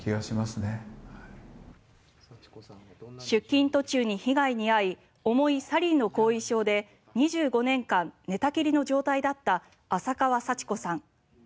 出勤途中に被害に遭い重いサリンの後遺症で２５年間、寝たきりの状態だった浅川幸子さん。